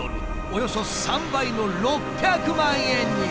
およそ３倍の６００万円に！